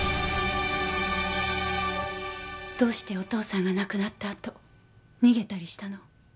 どうしてお父さんが亡くなったあと逃げたりしたの？